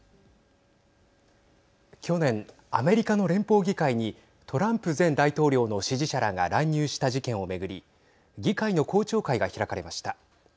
去年、アメリカの連邦議会にトランプ前大統領の支持者らが乱入した事件を巡り議会の公聴会が開かれました。